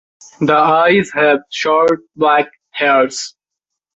The eyes have short black hairs.